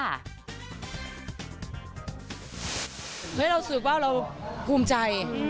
เราสืบว่าเราคุ้มใจ